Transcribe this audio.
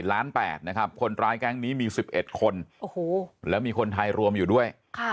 ล้าน๘นะครับคนร้ายแก๊งนี้มี๑๑คนแล้วมีคนไทยรวมอยู่ด้วย